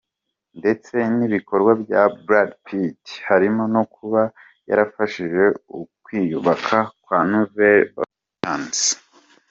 Ndetse n’ibikorwa bya Brad Pitt, harimo no kuba yarafashije ukwiyubaka kwa Nouvelle-Orléans.